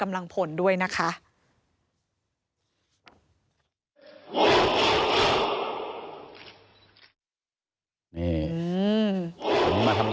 ผมจะเลี้ยงให้สิ่งที่เห็นฉะนั้นว่ามีทุกอย่าง